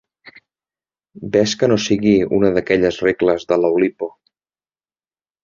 Ves que no sigui una d'aquelles regles de l'Oulipo.